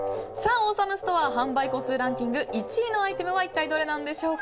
オーサムストア販売個数ランキング１位のアイテムは一体どれなんでしょうか。